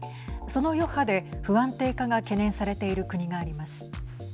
その余波で、不安定化が懸念されている国があります。